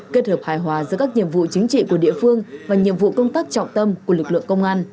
kết hợp hài hòa giữa các nhiệm vụ chính trị của địa phương và nhiệm vụ công tác trọng tâm của lực lượng công an